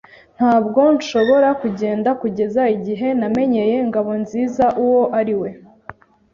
Ntabwo nshobora kugenda kugeza igihe namenyeye Ngabonziza uwo ari we.